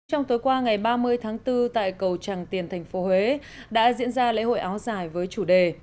trong tối qua ngày ba mươi tháng bốn tại cầu tràng tiền tp huế đã diễn ra lễ hội áo dài với chủ đề